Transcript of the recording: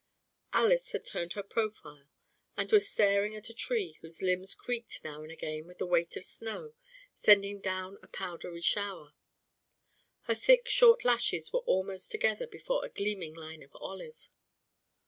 Alys had turned her profile and was staring at a tree whose limbs creaked now and again with their weight of snow, sending down a powdery shower. Her thick short lashes were almost together before a gleaming line of olive.